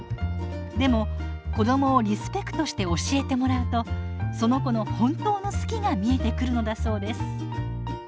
でも子どもをリスペクトして教えてもらうとその子の本当の「好き」が見えてくるのだそうです。